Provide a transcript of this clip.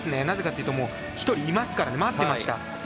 なぜかというと１人いますからね待っていました。